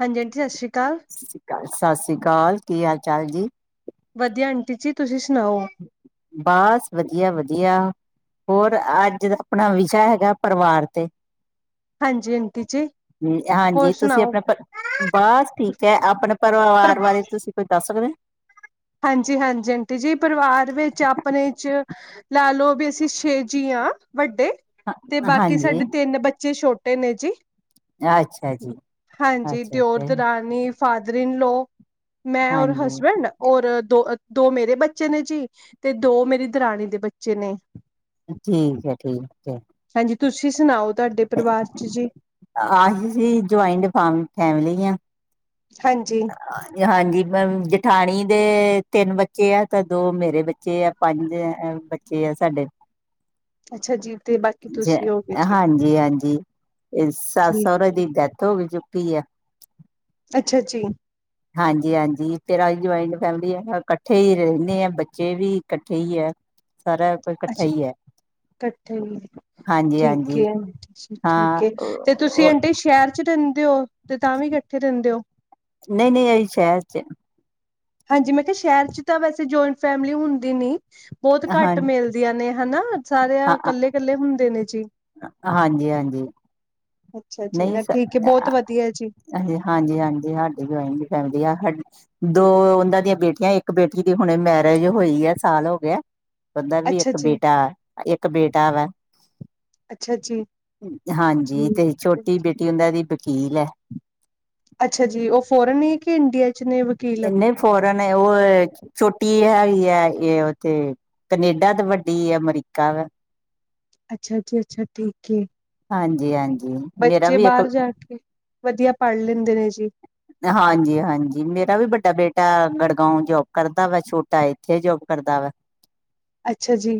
ਹਾਂਜੀ, ਅੰਟੀ ਸਤਿ ਸ਼੍ਰੀ ਅਕਾਲ। ਸਤਿ ਸ਼੍ਰੀ ਅਕਾਲ ਸਤਿ ਸ਼੍ਰੀ ਅਕਾਲ। ਕੀ ਹਾਲ ਚਾਲ ਜੀ? ਵਧੀਆ ਆੰਟੀ ਜੀ, ਤੁਸੀ ਸੁਨਾਓ। ਬਸ ਵਧੀਆ ਵਧੀਆ। ਹੋਰ ਅੱਜ ਦਾ ਆਪਣਾ ਵਿਸ਼ਾ ਹੈਗਾ ਪਰਵਾਰ ਤੇ? ਹਾਂਜੀ ਅੰਟੀ ਜੀ। ਹੋਰ ਹਾਂਜੀ, ਤੁਸੀਂ ਸੁਣਾਓ ਆਪਣਾ ਪ ਬਸ ਠੀਕ ਐ, ਆਪਣੇ ਪਰ ਪਰਵਾਰ ਬਾਰੇ ਤੁਸੀਂ ਕੋਈ ਦੱਸ ਸਕਣੇ। ਹਾਂਜੀ ਹਾਂਜੀ ਅੰਟੀ ਜੀ ਪਰਿਵਾਰ ਵਿੱਚ ਆਪਣੇ ਚ ਲਾ ਲਓ ਵੀ ਅਸੀਂ ਛੇ ਜੀ ਆ ਵੱਡੇ ਤੇ ਬਾਕੀ ਹਾਂਜੀ ਸਾਡੇ ਤਿੰਨ ਬੱਚੇ ਛੋਟੇ ਨੇ ਜੀ, ਅੱਛਾ ਜੀ ਹਾਂਜੀ ਅੱਛਾ ਦਿਓਰ, ਅੱਛਾ ਦਰਾਣੀ ਫਾਦਰ ਇਨ ਲੋ, ਮੈਂ ਔਰ ਹਾਂਜੀ ਹਸਬੈਂਡ ਔਰ ਦੋ ਦੋ ਮੇਰੇ ਬੱਚੇ ਨੇ ਜੀ ਤੇ ਦੋ ਮੇਰੀ ਦਰਾਣੀ ਦੇ ਬੱਚੇ ਨੇ। ਠੀਕ ਐ ਠੀਕ ਐ। ਹਾਂਜੀ, ਤੁਸੀਂ ਸੁਣਾਓ ਤੁਹਾਡੇ ਪਰਿਵਾਰ ਚ ਜੀ? ਆਹੀ ਜੀ ਜੁਆਇੰਟ ਫਮ ਫੈਮਲੀ ਆ। ਹਾਂਜੀ। ਹਾਂਜੀ, ਜਠਾਣੀ ਦੇ ਤਿੰਨ ਬੱਚੇ ਆ ਤੇ ਦੋ ਮੇਰੇ ਬੱਚੇ ਆ। ਪੰਜ ਬੱਚੇ ਆ ਸਾਡੇ। ਅੱਛਾ ਜੀ ਤੇ ਬਾਕੀ ਜ ਤੁਸੀਂ ਹੋਗੇ ਜੀ ਹਾਂਜੀ ਹਾਂਜੀ। ਸੱਸ, ਜੀ ਸਹੁਰੇ ਦੀ ਡੈਥ ਹੋ ਚੁੱਕੀ ਆ। ਅੱਛਾ ਜੀ। ਹਾਂਜੀ ਹਾਂਜੀ, ਤੇਰਾਂ ਜੁਆਇੰਟ ਫੈਮਲੀ ਐ ਇਕੱਠੇ ਹੀ ਰਹਿਣੇ ਆ, ਬੱਚੇ ਵੀ ਇਕੱਠੇ ਹੀ ਐ। ਸਾਰਾ ਪਰਿ ਕੱਠਾ ਅੱਛਾ ਹੀ ਐ‌। ਇਕੱਠੇ ਹੀ, ਠੀਕ ਹਾਂਜੀ ਐ ਹਾਂ ਠੀਕ ਐ ਤੇ ਤੁਸੀਂ ਅੰਟੀ ਸ਼ਹਿਰ ਚ ਰਹਿੰਦੇ ਓ ਤੇ ਤਾਂ ਵੀ ਇਕੱਠੇ ਰਹਿੰਦੇ ਓ? ਨਹੀਂ ਨਹੀਂ ਅਹੀ ਸ਼ਹਿਰ ਚ। ਹਾਂਜੀ ਮੈਂ ਕਿਹਾ ਸ਼ਹਿਰ ਚ ਤਾਂ ਵੈਸੇ ਜੁਆਇੰਟ ਫੈਮਿਲੀ ਹੁੰਦੀ ਨੀ, ਬਹੁਤ ਹਾਂ ਘੱਟ ਮਿਲ ਮਿਲਦੀਆਂ ਨੇ ਹਨਾ, ਸਾਰੇ ਆ ਕੱਲੇ ਕੱਲੇ ਹੁੰਦੇ ਨੇ ਜੀ। ਹਾਂਜੀ ਹਾਂਜੀ। ਅੱਛਾ ਅੱਛਾ, ਨਹੀਂ ਚਲ ਠੀਕ ਐ ਬਹੁਤ ਵਧੀਆ ਜੀ। ਹਾਂਜੀ ਹਾਂਜੀ, ਹਾਡੀ ਜਆਇੰਟ ਫੈਮਿਲੀ ਆ ਹਾਡੀ। ਦੋ ਉਹਨਾਂ ਦੀਆਂ ਬੇਟੀਆਂ, ਇੱਕ ਬੇਟੀ ਦੀ ਹੁਣੇ ਮੈਰਿਜ ਹੋਈ ਐ ਸਾਲ ਹੋ ਗਿਆ। ਓਦਾ ਵੀ ਅੱਛਾ ਇੱਕ ਜੀ, ਬੇਟਾ, ਇੱਕ ਬੇਟਾ ਰ ਅੱਛਾ ਜੀ, ਹਾਂਜੀ ਜੀ। ਤੇ ਛੋਟੀ ਬੇਟੀ ਉਨ੍ਹਾਂ ਦੀ ਵਕੀਲ ਆ। ਅੱਛਾ ਜੀ, ਉਹ ਫੋਰਨ ਏ ਕਿ ਇੰਡੀਆ ਚ ਨੇ ਵ ਨਹੀਂ ਫੋਰਨ ਐ, ਓ ਛੋਟੀ ਹੈਗੀ ਐ ਉੱਥੇ ਕਨੇਡਾ ਤੇ ਵੱਡੀ ਅਮਰੀਕਾ ਵਾ। ਅੱਛਾ ਜੀ ਅੱਛਾ ਠੀਕ ਐ, ਹਾਂਜੀ ਹਾਂਜੀ ਮੇਰਾ ਬੱਚੇ ਵੀ ਇੱਕ ਬਾਹਰ ਜਾ ਕੇ ਵਧੀਆ ਪੜ੍ਹ ਲੈਂਦੇ ਨੇ ਜੀ। ਹਾਂਜੀ ਹਾਂਜੀ, ਮੇਰਾ ਵੀ ਵੱਡਾ ਬੇਟਾ ਗੜਗਾਓ ਜੋਬ ਕਰਦਾ ਵਾ, ਛੋਟਾ ਏ ਇੱਥੇ ਜੋਬ ਕਰਦਾ ਵਾ। ਅੱਛਾ ਜੀ,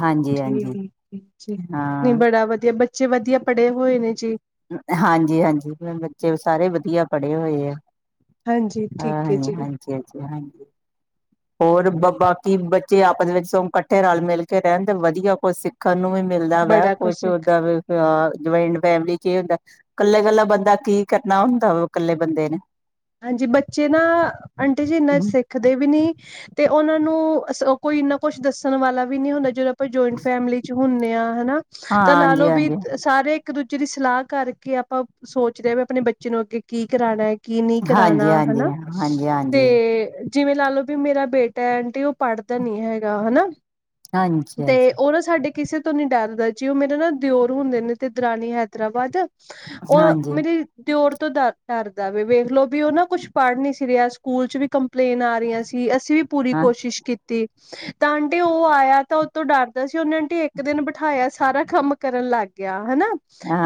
ਹਾਂਜੀ ਠੀਕ ਹਾਂਜੀ ਜੀ ਠੀਕ ਨਹੀਂ ਹਾਂ ਬੜਾ ਵਧੀਆ ਬੱ ਬੱਚੇ ਵਧੀਆ ਪੜ੍ਹੇ ਹੋਏ ਨੇ ਜੀ। ਹਾਂਜੀ ਹਾਂਜੀ, ਬੱਚੇ ਸਾਰੇ ਵਧੀਆ ਪੜ੍ਹੇ ਹੋਏ ਆ। ਹਾਂਜੀ ਹਾਂ ਠੀਕ ਹੈ ਹਾਂਜੀ ਜੀ ਹਾਂਜੀ ਹਾਂਜੀ ਹਾਂਜੀ। ਹੋਰ ਬ ਬਾਕੀ ਬੱਚੇ ਆਪਸ ਵਿੱਚ ਸਗੋਂ ਇਕੱਠੇ ਰਲ ਮਿਲ ਕੇ ਰਹਿਣ ਦੇ ਵਧੀਆ ਕੁਛ ਸਿੱਖ ਸਿਖਣ ਨੂੰ ਵੀ ਮਿਲਦਾ ਵਾ, ਬੜਾ ਕੁਛ ਸਿੱਖ ਓਦਾਂ ਜੁਆਇੰਟ ਫੈਮਲੀ ਚ ਏ ਹੁੰਦਾ ਕੱਲੇ, ਕੱਲਾ ਬੰਦਾ ਕੀ ਕਰਨਾ ਹੁੰਦਾ ਵਾ ਕੱਲੇ ਬੰਦੇ ਨੇ ਹਾਂਜੀ, ਬੱਚੇ ਨਾ ਆਂਟੀ ਜੀ ਨਸਿੱਖ ਨਾ ਸਿਖਦੇ ਵੀ ਨੀ ਤੇ ਉਹਨਾਂ ਨੂੰ ਅ ਕੋਈ ਇੰਨਾ ਕੁਛ ਦੱਸਣ ਵਾਲਾ ਵੀ ਨੀ ਹੁੰਦਾ, ਜਿਦੋਂ ਆਪਾਂ ਜਆਇੰਟ ਫੈਮਿਲੀ ਚ ਹੁੰਨੇ ਆ ਹਨਾ ਤਾਂ ਹਾਂਜੀ ਲਾਲੋ ਵੀ ਹਾਂਜੀ ਸਾਰੇ ਇੱਕ ਦੂਜੇ ਦੀ ਸਲਾਹ ਕਰਕੇ ਆਪਾਂ ਸੋਚਦੇ ਆ ਵੀ ਆਪਣੇ ਬੱਚੇ ਨੂੰ ਅੱਗੇ ਕੀ ਕਰਾਣਾ ਐ ਕੀ ਨਹੀਂ ਹਾਂਜੀ ਕਰਾਣਾ ਹਾਂਜੀ ਹਨਾ ਹਾਂਜੀ ਤੇ ਹਾਂਜੀ ਹਾਂਜੀ ਤੇ ਜਿਵੇਂ ਲਾਲੋੋ ਵੀ ਮੇਰਾ ਬੇਟਾ ਐ ਆਂਟੀ ਉਹ ਪੜ੍ਹਦਾ ਨੀ ਹੈਗਾ ਹਨਾ ਹਾਂਜੀ ਤੇ ਉਹ ਨਾ ਸਾਡੇ ਕਿਸੇ ਤੋਂ ਨੀ ਡਰਦਾ, ਜੀ ਉਹ ਮੇਰੇ ਨਾ ਦਿਓਰ ਹੁੰਦੇ ਨੇ ਤੇ ਦਰਾਨੀ ਹੈਦਰਾਬਾਦ ਉਹ ਹਾਂਜੀ ਮੇਰੇ ਦਿਓਰ ਤੋਂ ਡ ਡਰਦਾ ਵ ਵੇਖਲੋ ਵੀ ਉਹ ਨਾ ਕੁਛ ਪੜ੍ਹ ਨਹੀਂ ਸੀ ਰਿਹਾ ਸਕੂਲ ' ਵੀ ਕੰਪਲੇਨ ਆ ਰਹੀਆਂ ਸੀ, ਅਸੀਂ ਵੀ ਪੂਰੀ ਹਾਂ ਕੋਸ਼ਿਸ਼ ਕੀਤੀ। [inaudible] ਤਾਂ ਆਂਟੀ ਉਹ ਆਇਆ ਤਾਂ ਉਹਤੋਂ ਡਰਦਾ ਸੀ ਉਹਨੇ ਆਂਟੀ ਇੱਕ ਦਿਨ ਬਿਠਾਇਆ, ਸਾਰਾ ਕੰਮ ਕਰਨ ਲੱਗ ਗਿਆ ਹਨਾ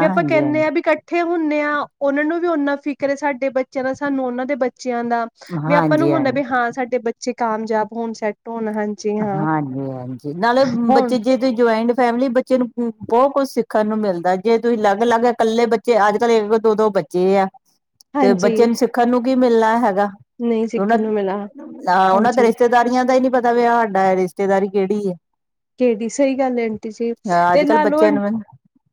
ਵੀ ਆਪਾਂ ਕਹਿੰਨੇ ਹਾਂਜੀ ਆ ਵੀ ਇਕੱਠੇ ਹੁੰਨੇ ਆ, ਉਹਨਾ ਨੂੰ ਵੀ ਓਨਾ ਫ਼ਿਕਰ ਸਾਡੇ ਬੇ ਚਲੋ ਸਾਨੂੰ ਉਹਨਾਂ ਦੇ ਬੱਚਿਆਂ ਦਾ, ਵੀ ਆਪਾਂ ਨੂੰ ਹਾਂਜੀ ਹੁੰਦਾ ਹਾਂਜੀ ਵੀ ਹਾਂ ਸਾਡੇ ਬੇ ਚ ਕਾਮਯਾਬ ਹੋਣ ਸੈੱਟ ਹੋਣ ਹਾਜੀ। ਹਾਂਜੀ, ਹਾਂਜੀ ਨਾਲੇ ਹੋਣ ਬੱਚੇ ਜੇ ਜੁਆਇੰਟ ਫੈਮਿਲੀ ਬੱਚੇ ਨੂੰ ਬਹੁਤ ਕੁੱਝ ਸਿੱਖਣ ਨੂੰ ਮਿਲਦਾ ਜੇ ਤੁਸੀਂ ਅਲੱਗ- ਅਲੱਗ ਇਕੱਲੇ ਬੇ ਅੱਜ- ਕੱਲ੍ਹ ਇੱਕ-ਇਕ, ਦੋ -ਦੋ ਬੱਚੇ ਆ ਤੇ ਹਾਂਜੀ ਬੱਚੇ ਨੂੰ ਸਿੱਖਣ ਨੂੰ ਕੀ ਮਿਲਣਾ ਹੈਗਾ। ਨਹੀਂ ਉਹ ਸਿੱਖਣ ਨੂੰ ਮਿਲਾ ਨਾਂਹ ਉਹਨਾਂ ਤੇ ਹਾਂਜੀ ਰਿਸ਼ਤੇਦਾਰੀਆਂ ਦਾ ਈ ਨੀ ਪਤਾ ਵੀ ਸਾਡਾ ਐ ਰਿਸ਼ਤੇਦਾਰੀ ਕਿਹੜੀ ਐ। ਕਿਹੜੀ ਸਹੀ ਗੱਲ ਏ ਆਂਟੀ ਜੀ ਤੇ ਕੱਲ੍ਹ ਲਾ ਲਓਂ ਬੱਚਿਆਂ ਨੂੰ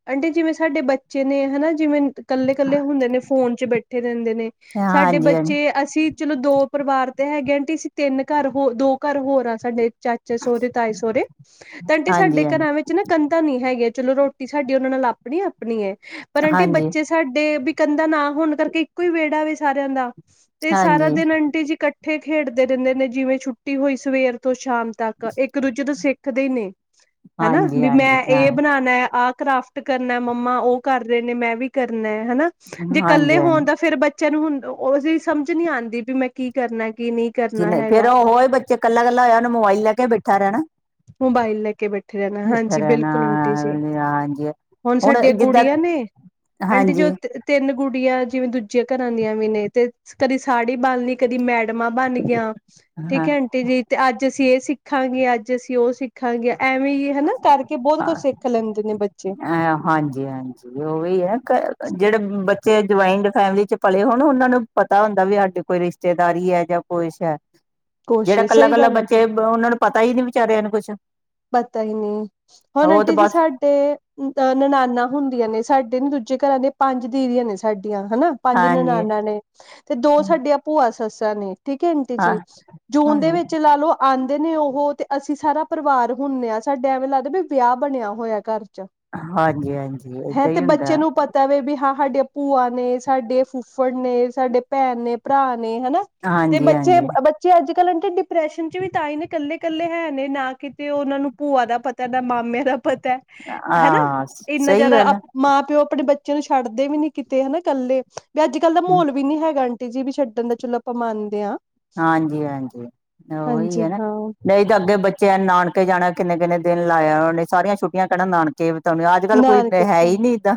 ਆਂਟੀ ਜਿਵੇਂ ਸਾਡੇ ਬੱਚੇ ਨੇ ਹਨਾ ਜਿਵੇਂ ਇਕੱਲੇ- ਕੱਲੇ ਹੁੰਦੇ ਨੇ ਫੋਨ ਚ ਬੈਠੇ ਰਹਿੰਦੇ ਨੇ ਸਾਡੇ ਹਾਂਜੀ ਹਾਂਜੀ ਬੱਚੇ ਅਸੀਂ ਚਲੋ ਦੋ ਪਰਿਵਾਰ ਤੇ ਹੈਗੇ ਆ, ਅੰਟੀ ਅਸੀਂ ਤਿੰਨ ਘਰ ਹੋ ਦੋ ਘਰ ਹੋਰ ਆ ਸਾਡੇ ਚਾਚੇ ਸਹੁਰੇ, ਤਾਏ ਸਹੁਰੇ ਤੇ ਆਂਟੀ ਹਾਂਜੀ ਹਾਂਜੀ ਸਾਡੇ ਘਰਾਂ ਵਿੱਚ ਨਾ ਕੰਧਾਂ ਨੀ ਹੈਗੀਆ, ਚਲੋ ਰੋਟੀ ਸਾਡੀ ਉਹਨਾਂ ਨਾਲ ਆਪਣੀ ਆਪਣੀ ਐ, ਪਰ ਆਂਟੇ ਹਾਂਜੀ ਬੱਚੇ ਸਾਡੇ ਪੀ ਕੰਧਾ ਨਾ ਹੋਣ ਕਰਕੇ ਇੱਕੋ ਹੀ ਵਿਹੜਾ ਵ ਸਾਰਿਆਂ ਦਾ ਤੇ ਸਾਰਾ ਹਾਂਜੀ ਦਿਨ ਆਂਟੀ ਜੀ ਕੱ ਇਕੱਠੇ ਖੇਡਦੇ ਰਹਿੰਦੇ ਨੇ, ਜਿਵੇਂ ਛੁੱਟੀ ਹੋਈ ਸਵੇਰ ਤੋਂ ਸ਼ਾਮ ਤੱਕ ਇੱਕ ਦੂਜੇ ਤੋਂ ਸਿੱਖ ਕਦੇ ਨਹੀਂ, ਹਨਾ ਹਾਂਜੀ ਵੀ ਹਾਂਜੀ ਮੈਂ ਹਾਂ ਇਹ ਬਣਾਣਾ ਆਹ ਕਰਾਫਟ ਕਰਨਾ ਮੰਮਾ ਉਹ ਕਰਦੇ ਨੇ ਮੈਂ ਵੀ ਕਰਨਾ ਹਨਾ ਜੇ ਹਾਂਜੀ ਇਕੱਲੇ ਹੋਣ ਹਾਂਜੀ ਤਾਂ ਫੇਿਰ ਬਚਿਆਂ ਨੂੰ ਹੁਣ ਉਹਦੀ ਸਮਝ ਨਹੀਂ ਆਂਦੀ ਵੀ ਮੈਂ ਕੀ ਕਰਨਾ, ਕੀ ਨਹੀਂ ਕਰਨਾ ਹੈਗਾ। ਜ ਕੱਲਾ- ਕੱਲਾ ਹੋਇਆ ਉਹਨੇ ਮੋਬਾਈਲ ਲ ਲੈ ਕੇ ਬੈਠਾ ਰਹਿਣਾ। ਮੋਬਾਈਲ ਲੈ ਕੇ ਬੈਠ ਉੱਥੇ ਰਣਾ, ਬੈਠਾ ਹਾਂਜੀ, ਰਹਿਣਾ ਬਿਲਕੁਲ ਆਂਟੀ ਜੀ ਹਾਂਜੀ ਹੁਣ ਸਾਡੀਆਂ ਗੁੜੀਆਂ ਨੇ ਆਂਟੀ ਜੀ ਹਾਂਜੀ ਉਅ ਤਿੰਨ ਗੁੜੀਆਂ ਜਿਵੇਂ ਦੂਜੀਆਂ ਘਰਾਂ ਦੀਆਂ ਵੀ ਨੇ ਤੇ ਕਦੀ ਸਾੜੀ ਬਣਲੀ ਕਦੀ ਮੈਡਮਾਂ ਬਣਗੀਆਂ ਠੀਕ ਹਾਂ ਐ ਆਂਟੀ ਜੀ ਤੇ ਅੱਜ ਅਸੀਂ ਇਹ ਸਿੱਖਾਂਗੇ ਅੱਜ ਤੇ ਅਸੀਂ ਉਹ ਸਿੱਖਾਂਗੇ, ਐਵੇਂ ਹੀ ਹਨਾ ਕਰਕੇ ਬਹੁਤ ਕੁਛ ਸਿੱਖ ਲੈਂਦੇ ਨੇ ਬੱਚੇ ਅ ਹਾਂਜੀ, ਹਾਂਜੀ ਉਹ ਵੀ ਹੈ ਨਾ ਜਿਹੜੇ ਬੱਚੇ ਜੁਆਇੰਟ ਫੈਮਲੀ ਚ ਪਲੇ ਹੋਣ ਉਹਨਾਂ ਨੂੰ ਪਤਾ ਹੁੰਦਾ ਵੀ ਸਾਡੇ ਕੋਈ ਰਿਸ਼ਤੇਦਾਰੀ ਐ ਜਾਂ ਕੁਛ ਐ ਕੁਛ ਜਿਹੜਾ ਕੱਲਾ- ਸਹੀ ਕੱਲਾ ਗੱਲ ਆਂਟੀ ਬੱਚੇ ਉਹਨਾਂ ਨੂੰ ਪਤਾ ਈ ਨੀ ਵਿਚਾਰਿਆਂ ਨੂੰ ਕੁਛ ਪਤਾ ਈ ਨਹੀਂ, ਹੁਣ ਉਹ ਤੇ ਆਂਟੀ ਜੀ ਬਸ ਸਾਡੇ ਤੇ ਅ ਨਨਾਨਾ ਹੁੰਦੀਆਂ ਨੇ, ਸਾਡੇ ਨੇ ਦੂਜੇ ਘਰਾਂ ਦੇ ਪੰਜ ਦੀਦੀਆਂ ਨੇ ਸਾਡੀਆਂ ਹਨਾ ਪੰਜ ਹਾਂਜੀ ਨਨਾਨਾ ਨੇ ਤੇ ਦੋ ਸਾਡੀਆਂ ਭੂਆ ਸੱਸਾਂ ਨੇ ਠੀਕ ਐ ਆਂਟੀ ਹਾਂ ਜੀ, ਜੂਨ ਦੇ ਹਾਂਜੀ ਵਿੱਚ ਲਾ ਲਓ ਆਂਦੇ ਨੇ ਉਹ ਤੇ ਅਸੀਂ ਸਾਰਾ ਪਰਿਵਾਰ ਹੁੰਨੇ ਆ ਸਾਡੇ ਐਵੇਂ ਲੱਗਦਾ ਵੀ ਵਿਆਹ ਬਣਿਆ ਹੋਇਆ ਘਰ 'ਚ। ਹਾਂਜੀ-ਹਾਂਜੀ ਏਦਾਂ ਈ ਹੁੰਦਾ। ਤਵੇ ਵੀ ਹਾਂ ਹਾਡੀਆਂ ਭੂਆ ਨੇ, ਸਾਡੇ ਫੁੱਫੜ ਨੇ, ਸਾਡੇ ਭੈਣ ਨੇ, ਭਰਾ ਨੇ ਹਨਾ। ਤੇ ਹਾਂਜੀ ਬੱਚੇ, ਹਾਂਜੀ ਬੱਚੇ ਅੱਜ ਕੱਲ ਡਿਪਰੈਸ਼ਨ ਚ ਵੀ ਤਾਂ ਹੀ ਨੇ ਕੱਲੇ-ਕੱਲੇ ਹੈ ਨੇ ਨਾ ਕਿ ਤੇ ਉਹਨਾਂ ਨੂੰ ਭੂਆ ਦਾ ਪਤਾ ਨਾ ਮਾਮਿਆਂ ਦਾ ਪਤਾ। ਹਨਾ, ਹਾਂ ਇੰਨਾ ਸਹੀ ਜ਼ਿਆਦਾ ਗੱਲ ਮਾਂ-ਪਿਓ ਆਪਣੇ ਬੱ ਬੱਚੇ ਨੂੰ ਛੱਡਦੇ ਵੀ ਨੀ ਕੀਤੇ ਹਨਾ ਇਕੱਲੇ ਵੀ ਅੱਜਕੱਲ੍ਹ ਦਾ ਮਾਹੌਲ ਵੀ ਨੀ ਹੈਗਾ ਆਂਟੀ ਜੀ ਵੀ ਛੱਡਣ ਦਾ ਚਲੋ ਆਪਾਂ ਮੰਨਦੇ ਆ। ਹਾਂਜੀ-ਹਾਂਜੀ ਉਹੀ ਹਾਂਜੀ ਹੈ ਨਾ ਹਾਂ ਨਹੀਂ ਤਾਂ ਅੱਗੇ ਬੱਚੇ ਨਾਨਕੇ ਜਾਣਾ ਕਿੰਨੇ-ਕਿੰਨੇ ਦਿਨ ਲਾ ਆਉਣੇ ਸਾਰੀਆਂ ਛੁੱਟੀਆਂ ਕਹਿਣਾ ਨਾ ਨਕੇ ਬਿਤਾਉਣੇ ਅੱਜਕੱਲ ਕੋਈ ਨਾਨਕੇ ਹੈ ਈ ਬਥਾਨੇ ਨੀ ਇੱਦਾਂ।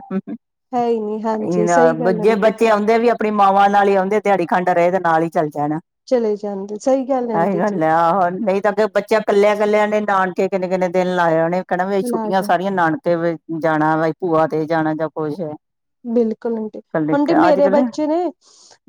ਹੈ ਹੀ ਨੀ ਇਹੀ ਹਾਂਜੀ ਨਾ ਸਹੀ ਗੱਲ ਜੇ ਆਂਟੀ ਬੱਚੇ ਜੀ ਆਉਂਦੇ ਵੀ ਆਪਣੀ ਮਾਵਾਂ ਨਾਲ ਈ ਆਉਂਦੇ ਦਿਹਾੜੀ ਖੰਡ ਰਹੇ ਤੇ ਨਾਲ ਈ ਚਲ ਜਾਣਾ। ਚਲੇ ਜਾਂਦੇ। ਸਹੀ ਗੱਲ ਤਾਹੀ ਆਂਟੀ ਨਾ ਜੀ ਲਿਆਉਣ ਨਹੀਂ ਤਾਂ ਅੱਗੇ ਬੱਚਿਆਂ ਕੱਲਿਆ-ਕੱਲਿਆਂ ਨੇ ਨਾਨਕੇ ਕਿੰਨੇ-ਕਿੰਨੇ ਦਿਨ ਲਾ ਆਉਣੇ ਕਹਿਣਾ ਵੀ ਲਾ ਛੁੱਟੀਆਂ ਜਾਂਦੇ ਸਾਰੀਆਂ ਨਾਨਕੇ ਜਾਣਾ ਬਾਈ ਭੂਆ ਦੇ ਜਾਣਾ ਜਾਂ ਕੁਛ। ਬਿਲਕੁਲ ਆਂਟੀ, ਕੱਲੇ ਆਂਟੀ ਅੱਜ ਮੇਰੇ ਕੱਲ ਬੱਚੇ ਨੇ,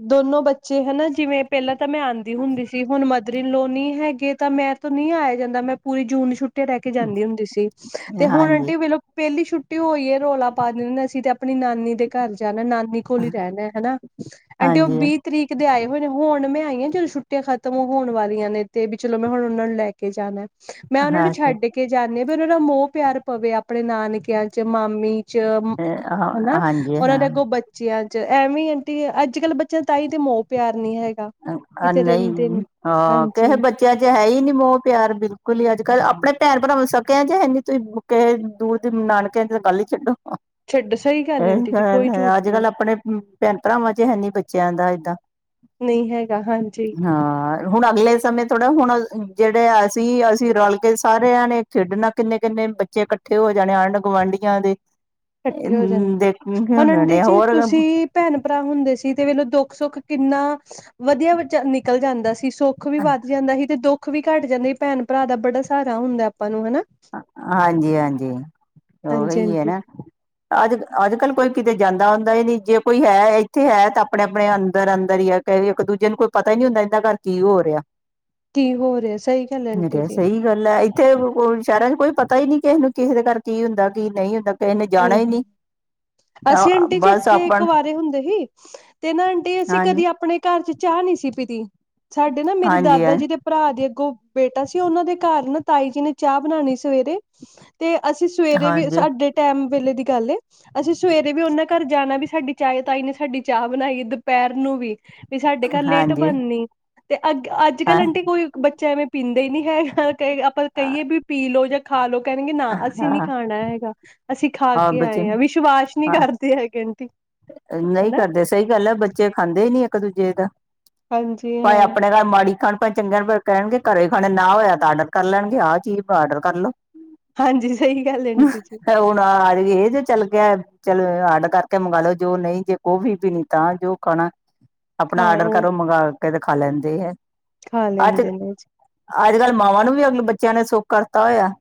ਦੋਨੋ ਬੱਚੇ ਹਨਾ ਜਿਵੇਂ ਪਹਿਲਾਂ ਤਾਂ ਮੈਂ ਆਂਦੀ ਹੁੰਦੀ ਸੀ, ਹੁਣ ਮਦਰ ਇਨ ਲੋ ਨੀ ਹੈਗੇ ਤਾਂ ਮੇਰੇ ਤੋਂ ਨਹੀਂ ਆਇਆ ਜਾਂਦਾ ਮੈਂ ਪੂਰੀ ਜੂਨ ਛੁੱਟੀ ਛੁੱਟੀਆ ਰਹਿ ਕੇ ਜਾਂਦੀ ਹੁੰਦੀ ਸੀ, ਤੇ ਹੁਣ ਹਾਂਜੀ ਆਂਟੀ ਵੇਲੋਂ ਪਹਿਲੀ ਛੁੱਟੀ ਹੋਈ ਏ ਰੌਲਾ ਪਾ ਦਿੰਦੇ ਅਸੀ ਤੇ ਆਪ ਆਪਣੀ ਨਾਨੀ ਦੇ ਘਰ ਜਾਣਾ ਨਾਨੀ ਕੋਲ ਹੀ ਰਹਿਣਾ ਹਨਾ, ਆਂਟੀ ਉਹ ਹਾਂਜੀ ਬੀ ਤਰੀਕ ਦੇ ਆਏ ਹੋਏ ਨੇ ਹੁਣ ਮੈਂ ਆਈ ਆ ਜਦੋਂ ਛੁੱਟੀਆਂ ਖਤਮ ਹੋਣ ਵਾਲੀਆਂ ਨੇ ਤੇ ਵੀ ਚਲੋ ਮੈਂ ਹੁਣ ਉਹਨਾਂ ਨੂੰ ਲੈ ਕੇ ਜਾਣਾ। ਮੈਂ ਉਹਨਾਂ ਨੂੰ ਅੱਛਾ ਛੱਡ ਕੇ ਜਾਂਨੀ ਆ ਵੀ ਉਹਨਾਂ ਦਾ ਮੋਹ ਪਿਆਰ ਪਵੇ ਆਪਣੇ ਨਾਨਕਿਆਂ 'ਚ ਮਾਮੀ 'ਚ, ਹਨਾ ਹਾਂਜੀ ਉਹਨਾਂ ਦੇ ਅੱਗੋ ਬੱਚਿਆਂ 'ਚ, ਐਵੇਂ ਆਂਟੀ ਅੱਜ-ਕੱਲ੍ਹ ਬੱਚਿਆਂ ਦਾ ਤਾਂਹੀ ਤੇ ਮੋਹ ਪਿਆਰ ਨੀ ਹੈਗਾ। ਕਿਤੇ ਨਹੀਂ, ਰਹਿੰਦੇ ਨੀ ਹਾਂ ਹਾਂਜੀ ਕਿਹੇ ਬੱ ਬੱਚਿਆਂ 'ਚ ਹੈ ਈ ਨੀ ਮੋਹ ਪਿਆਰ ਬਿਲਕੁਲ ਹੀ ਅੱਜ- ਕੱਲ੍ਹ ਆਪਣੇ ਭੈਣ ਭਰਾਵਾਂ ਨੂੰ ਸਕਿਆ 'ਚ ਹੈਨੀ ਤੁਸੀਂ ਕੇ ਦੂਰ ਦੀ ਨਾਨਕਿਆਂ ਦੀ ਤਾਂ ਗੱਲ ਹੀ ਛੱਡੋ। ਛੱਡੋ ਸਹੀ ਗੱਲ ਇਹੀ ਆਂਟੀ ਜੀ ਗੱਲ ਕੋਈ ਹੈ ਝੂਠ ਅੱਜ-ਕੱਲ ਨਹੀਂ ਆਪਣੇ ਭੈਣ-ਭਰਾਵਾਂ 'ਚ ਹੈਨੀ ਬੱਚਿਆਂ ਦਾ ਏਦਾਂ। ਨਹੀਂ ਹੈਗਾ ਹਾਂਜੀ। ਹਾਂ ਹੁਣ ਅਗਲੇ ਸਮੇਂ ਥੋੜਾ, ਹੁਣ ਜਿਹੜੇ ਅਸੀਂ ਅਸੀਂ ਰਲ ਕੇ ਸਾਰਿਆਂ ਨੇ ਖੇਡਣਾ ਕਿੰਨੇ-ਕਿੰਨੇ ਬੱਚੇ ਇਕੱਠੇ ਹੋ ਜਾਣੇ, ਆਂਢ- ਗੁਆਂਢੀਆਂ ਦੇ। ਇਕੱਠੇ ਹੋ ਜਾਂਦੇ [unintelligible] ਹੋਰ ਭੈਣ-ਭਰਾ ਹੁੰਦੇ ਸੀ ਤੇ ਵੇਲੋ ਦੁੱਖ-ਸੁੱਖ ਕਿੰਨਾ, ਵਧੀਆ ਨਿਕਲ ਜਾਂਦਾ ਸੀ ਸੁੱਖ ਸੁੱਖ ਵੀ ਵੱਧ ਜਾਂਦਾ ਸੀ ਤੇ ਦੁੱਖ ਵੀ ਘੱਟ ਜਾਂਦਾ ਸੀ ਭੈਣ- ਭਰਾ ਦਾ ਬੜਾ ਸਹਾਰਾ ਹੁੰਦਾ ਆਪਾਂ ਨੂੰ ਹਨਾ। ਹਾਂਜੀ-ਹਾਂਜੀ, ਹਾਂਜੀ ਉਹੀ ਏ ਆਂਟੀ ਨਾ। ਜੀ ਅੱਜ ਅੱਜ-ਕੱਲ੍ਹ ਕੋਈ ਕਿਤੇ ਜਾਂਦਾ ਆਉਂਦਾ ਈ ਨੀ ਜੇ ਕੋਈ ਹੈ ਇੱਥੇ ਹੈ ਤਾਂ ਆਪਣੇ-ਆਪਣੇ ਅੰਦਰ-ਅੰਦਰ ਈ ਏ। ਪਏ ਵੀ ਇੱਕ-ਦੂਜੇ ਨੂੰ ਕੋਈ ਪਤਾ ਹੀ ਨਹੀਂ ਹੁੰਦਾ ਇਹਦਾ ਘਰ ਕੀ ਹੋ ਰਿਹਾ। ਕੀ ਹੋ ਰਿਹਾ ਸਹੀ ਗੱਲ ਏ ਮੈਂ ਆਂਟੀ ਕਿਹਾ ਜੀ। ਸਹੀ ਗੱਲ ਏ ਇੱਥੇ ਸ਼ਹਿਰਾਂ 'ਚ ਕੋਈ ਪਤਾ ਈ ਨੀ ਕਿਸੇ ਨੂੰ ਕਿਸੇ ਦੇ ਘਰ ਕੀ ਹੁੰਦਾ ਕੀ ਨਹੀਂ ਹੁੰਦਾ। ਕਿਸੇ ਨੇ ਜਾਣਾ ਹੀ ਨਹੀ, ਨਹੀਂ ਅਸੀਂ ਆਂਟੀ ਜੀ ਬਸ ਇੱਥੇ ਆਪਣ ਕੁਵਾਰੇ ਹੁੰਦੇ ਸੀ ਤੇ ਨਾ ਆਂਟੀ ਅਸੀਂ ਹਾਂਜੀ ਕਦੀ ਆਪਣੇ ਘਰ 'ਚ ਚਾਹ ਨੀ ਸੀ ਪੀਤੀ, ਸਾਡੇ ਨਾ ਮੇਰੇ ਹਾਂਜੀ ਦਾਦਾ ਜੀ ਦੇ ਭਰਾ ਦੀ ਅੱਗੋਂ ਬੇਟਾ ਸੀ ਉਹਨਾਂ ਦੇ ਘਰ ਨਾ ਤਾਈ ਜੀ ਨੇ ਚਾਹ ਬਣਾਣੀ ਸਵੇਰੇ ਤੇ ਅਸੀਂ ਸਵੇਰੇ ਵੀ, ਹਾਂਜੀ ਸਾਡੇ ਟੈਮ ਵੇਲੇ ਦੀ ਗੱਲ ਏ ਅਸੀਂ ਸਵੇਰੇ ਵੀ ਉਹਨਾਂ ਘਰ ਜਾਣਾ ਵੀ, ਸਾਡੀ ਚਾਏ ਤਾਈ ਨੇ ਸਾਡੀ ਚਾਹ ਬਣਾਈ ਏ ਦੁਪਹਿਰ ਨੂੰ ਵੀ ਵੀ ਸਾਡੇ ਘਰ ਲੇਟ ਹਾਂਜੀ ਬਣਨੀ, ਤੇ ਅੱ ਅੱਜ- ਹਾਂ ਕੱਲ੍ਹ ਆਂਟੀ ਕੋਈ ਬੱਚਾ ਐਵੇਂ ਪੀਂਦਾ ਹੀ ਨਹੀਂ ਹੈਗਾ ਕ ਆਪਾਂ ਕਹੀਏ ਵੀ ਪੀ ਲਓ ਜਾਂ ਖਾ ਲਓ ਕਹਿਣਗੇ, ਨਾ ਅਸੀਂ ਨੀ ਹਾਂ ਖਾਣਾ ਹੈਗਾ ਅਸੀਂ ਖਾ ਕੇ ਆਏ ਹਾਂ, ਵਿਸ਼ਵਾਸ ਨਹੀਂ ਹਾਂ ਕਰਦੇ ਹੈਗੇ ਨਹੀਂ ਹਨਾ ਕਰਦੇ ਸਹੀ ਗੱਲ ਹੈ, ਬੱਚੇ ਖਾਂਦੇ ਨੀ ਇੱਕ ਦੂਜੇ ਦਾ ਹਾਂਜੀ ਭਾਵੇਂ ਹਾਂ ਆਪਣੇ ਘਰ ਮਾੜੀ ਖਾਣ ਪ ਚੰਗੇ ਕਹਿਣਗੇ, ਘਰੇ ਖਾਣੇ ਨਾ ਹੋਇਆ ਤਾਂ ਆਰਡਰ ਕਰ ਲੈਣਗੇ, ਆਹ ਚੀਜ਼ ਆਰਡਰ ਕਰ ਲੋ ਹਾਂਜੀ ਸਹੀ ਗੱਲ ਹੈ, ਆਂਟੀ ਜੀ ਹੁਣ ਆ ਇਹ ਜੇ ਚੱਲ ਗਿਆ ਚਲੋ, ਆਰਡਰ ਕਰਕੇ ਮੰਗਾ ਲਉ ਜੋ ਨਹੀਂ ਜੇ ਉਹ ਵੀ ਪੀਂਦਾ ਤਾਂ ਜੋ ਖਾਣਾ ਖਾ ਆਪਣਾ ਆਡਰ ਉਹ ਕਰੋ ਮੰਗਵਾ ਕੇ ਖਾ ਲੈਂਦੇ ਹੈ, ਖਾ ਅੱਜ ਲੈਂਦੇ ਨੇ ਅੱਜ ਕੱਲ੍ਹ ਮਾਵਾਂ ਨੂੰ ਵੀ ਆਪਣੇ ਬੱਚਿਆਂ ਨੇ ਸੁੱਖ ਕਰਤਾ ਹੋਇਆ,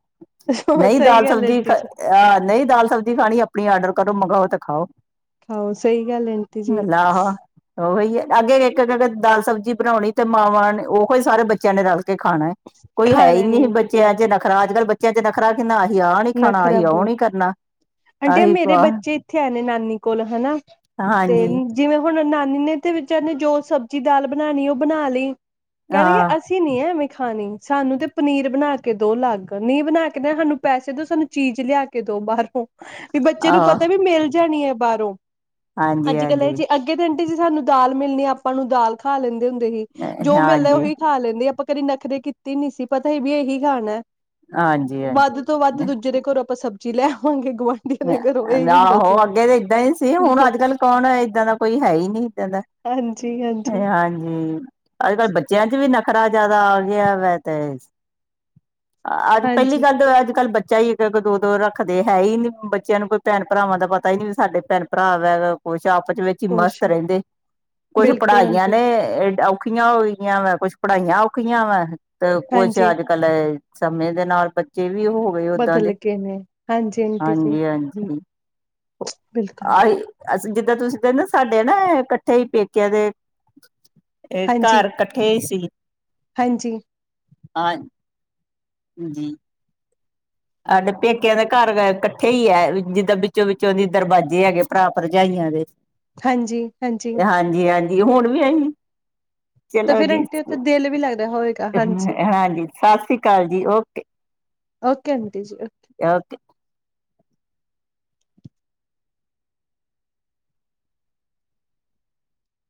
ਜੀ। ਨਹੀਂ ਸਹੀ ਦਾਲ ਗੱਲ ਸਬਜ਼ੀ ਆਂਟੀ ਜੀ ਆਹ ਨਹੀਂ ਦਾਲ ਸਬਜ਼ੀ ਖਾਣੀ, ਆਪਣੀ ਆਡਰ ਕਰੋ, ਮੰਗਾਓ ਤੇ ਖਾਓ ਖਾਓ ਸਹੀ ਗੱਲ ਏ ਮਲਾ ਉਹੀ ਹੀ ਏ ਅੱਗੇ ਇੱਕ ਦਾਲ ਸਬਜ਼ੀ ਬਣਾਉਣੀ, ਤੇ ਮਾਵਾਂ ਨੇ ਉ ਹੀ ਸਾਰੇ ਬੱਚਿਆਂ ਨੇ ਰਲ ਕੇ ਖਾਣਾ ਕੋਈ ਖਾ ਹੈ ਹੀ ਲੈਣੇ ਨੀ ਆਂਟੀ ਜੀ ਬੱਚਿਆਂ ਚ ਨਖਰਾ ਅੱਜ ਕੱਲ। ਬੱਚਿਆਂ ਚ ਨਖਰਾ ਕਿੰਨਾ ਆ ਗਿਆ ਆਹ ਨੀ ਖਾਣਾ ਨਖਰਾ ਅਹੀ ਉਹ ਬਹੁਤ ਨੀ ਕਰਨਾ ਆਂਟੀ ਆਹੀ ਕੁ। ਮੇਰੇ ਬੱਚੇ ਇੱਥੇ ਆ ਨੇ ਨਾਨੀ ਕੋਲ ਹਨਾ ਤੇ ਹਾਂਜੀ ਜਿਵੇਂ। ਹੁਣ ਨਾਨੀ ਨੇ ਤੇ ਵਿਚਾਰੀ ਨੇ ਜੋ ਸਬਜ਼ੀ ਦਾਲ ਬਣਾਉਣੀ ਉਹ ਬਣਾ ਲਈ ਕਹਿਣਗੇ ਹਾਂ ਅਸੀਂ ਨੀ ਐਵੇਂ ਖਾਣੀ ਸਾਨੂੰ ਤੇ ਪਨੀਰ ਬਣਾ ਕੇ ਦੋ ਅਲੱਗ ਨੀਂਹ ਬਣਾ ਕੇ ਨਾ ਸਾਨੂੰ। ਪੈਸੇ ਦੋ ਸਾਨੂੰ ਚੀਜ਼ ਲਿਆ ਕੇ ਦੋ ਬਾਹਰੋਂ। ਵੀ ਬੱਚੇ ਨੂੰ ਆਹ ਪਤਾ ਵੀ ਮਿਲ ਜਾਣੀ ਹੈ ਬਾਹਰੋਂ ਹਾਂਜੀ ਅੱਜ ਕੱਲ ਇਹ ਹਾਂਜੀ ਜੀ ਅ। ਕਹਿੰਦੇ ਆਂਟੀ ਜੀ ਸਾਨੂੰ ਦਾਲ ਮਿਲਣੀ ਆ ਆਪਾਂ ਨੂੰ ਦਾਲ ਖਾ ਲੈਂਦੇ ਹੁੰਦੇ ਸੀ ਜੋ ਮਿਲਦਾ ਹਾਂਜੀ ਉਹੀ ਖਾ ਲੈਂਦੇ ਆਪਾਂ। ਕਦੇ ਨਖਰੇ ਕੀਤੇ ਨੀ ਸੀ ਪਤਾ ਸੀ ਕਿ ਇਹੀ ਖਾਣਾ। ਹਾਂਜੀ-ਹਾਂਜੀ। ਇੱਕ ਦੂਜੇ ਦੇ ਘਰੋਂ ਆਪਾਂ ਸਬਜ਼ੀ ਲੈ ਆਵਾਂਗੇ ਗੁਆਂਢੀਆਂ ਦੇ ਘਰੋਂ। ਇਹੀ ਹੁੰਦਾ ਸੀ ਆਹੋ ਅੱਗੇ ਤਾਂ ਇਦਾਂ ਹੀ ਸੀ ਹੁਣ ਅੱਜ ਕੱਲ੍ਹ ਕੌਣ ਇਦਾਂ ਦਾ ਕੋਈ ਹੈ ਹੀ ਨੀ ਇੱਦਾਂ ਦਾ। ਹਾਂਜੀ-ਹਾਂਜੀ। ਹਾਂਜੀ। ਅੱਜ ਕਲ੍ਹ ਬੱਚਿਆਂ ਚ ਵੀ ਨਖਰਾ ਜਿਆਦਾ ਆ ਗਿਆ ਵੈ ਤੇ। ਅੱਜ ਪਹਿਲੀ ਹਾਂਜੀ ਗੱਲ ਤਾਂ ਅੱਜ ਕੱਲ ਬੱਚਾ ਹੀ ਇੱਕ-ਇੱਕ ਦੋ-ਦੋ ਰੱਖਦੇ ਹੈ ਹੀ ਨਹੀਂ। ਬੱਚਿਆਂ ਨੂੰ ਕੋਈ ਭੈਣ ਭਰਾਵਾਂ ਦਾ ਪਤਾ ਹੀ ਨੀ ਵੀ ਸਾਡੇ ਭੈਣ ਭਰਾ ਵੈ ਕੁਛ ਆਪਸ ਵਿੱਚ। ਖੁਸ਼ ਮਸਤ ਹੈ ਰਹਿੰਦੇ ਕੁੱਛ ਬਿਲਕੁਲ ਪੜ੍ਹਾਈਆਂ ਆਂਟੀ ਨੇ ਔਖੀਆਂ ਓਹੀ ਵਾ ਕੁੱਛ ਪੜ੍ਹਾਈਆਂ ਔਖੀਆਂ ਵੇ ਤੇ ਕੁਛ ਹਾਂਜੀ ਅੱਜ ਕੱਲ। ਅੱਜ ਕੱਲ ਸਮੇਂ ਦੇ ਨਾਲ ਬੱਚੇ ਵੀ ਉਹ। ਬਦਲ ਗਏ ਨੇ ਹਾਂਜੀ। ਆਂਟੀ ਜੀ ਹਾਂਜੀ ਹਾਂਜੀ ਉਹ ਬਿਲਕੁਲ ਠੀਕ, ਆਏ। ਅਸੀਂ ਜਿੱਦਾਂ ਤੁਸੀਂ ਕਿੰਦੇ ਸਾਡੇ ਨਾ ਕੱਠੇ ਹੀ ਪੇਕਿਆਂ ਦੇ ਹਾਂਜੀ, ਘਰ ਕੱਠੇ। ਕਠੇ ਹੀ ਸੀ। ਹਾਂਜੀ। ਹਾਂ। ਜੀ। ਸਾਡੇ ਪੇਕਿਆਂ ਦੇ ਘਰ ਗਏ ਇਕੱਠੇ ਹੀ ਹੈ, ਜਿੱਦਾਂ ਵਿੱਚੋ-ਵਿੱਚੋਂ ਦੇ ਦਰਵਾਜ਼ੇ ਹੈਗੇ ਭਰਾ-ਭਰਜਾਈਆਂ ਦੇ। ਹਾਂਜੀ-ਹਾਂਜੀ। ਹਾਂਜੀ-ਹਾਂਜੀ, ਹਾਂਜੀ ਹੁਣ ਵੀ ਆਈ ਤਾਂ ਚਲੋ ਫੇਰ ਜੀ, ਆਂਟੀ ਉੱਥੇ ਦਿਲ ਵੀ ਲੱਗਦਾ ਹੋਏਗਾ ਹਾਂਜੀ ਸਤਿ ਸ੍ਰੀ ਅਕਾਲ ਜੀ ਓਕੇ। ਓਕੇ ਆਂਟੀ ਜੀ ਓ। ਅ